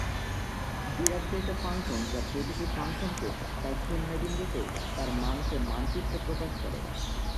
Dirac delta function যা প্রতিটি ফাংশনকে তার শূন্যে বিন্দুতে তার মানকে মানচিত্রে প্রকাশ করে।